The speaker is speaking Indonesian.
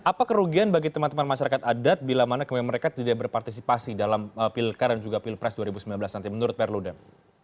apa kerugian bagi teman teman masyarakat adat bila mana mereka tidak berpartisipasi dalam pilkada dan juga pilpres dua ribu sembilan belas nanti menurut perludem